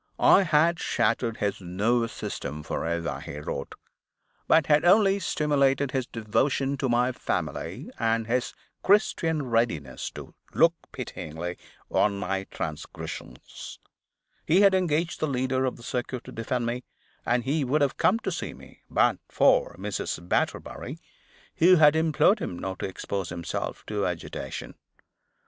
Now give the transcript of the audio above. I had shattered his nervous system forever, he wrote, but had only stimulated his devotion to my family, and his Christian readiness to look pityingly on my transgressions. He had engaged the leader of the circuit to defend me; and he would have come to see me, but for Mrs. Batterbury; who had implored him not to expose himself to agitation.